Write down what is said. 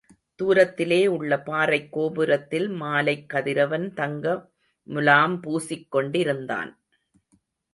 தூரத்திலே உள்ள பாறைக் கோபுரத்தில் மாலைக் கதிரவன் தங்க முலாம் பூசிக் கொண்டிருந்தான்.